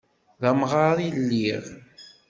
D amɣar i lliɣ.